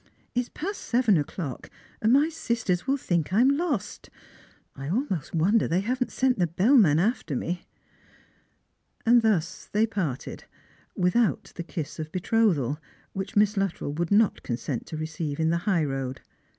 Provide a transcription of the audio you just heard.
It is past seven o'clock, and my sisters will think I am lost. I almost wonder they haven't sent the bellman after me." And thus they parted, without the kiss of betrothal, which Miss Luttrell would not consent to receive in the high road.